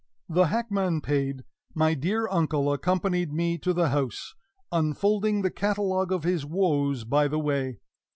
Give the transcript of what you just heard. The hackman paid, my dear uncle accompanied me to the house, unfolding the catalogue of his woes by the way.